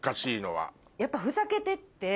やっぱふざけてて。